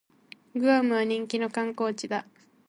グアムは人気の観光地だ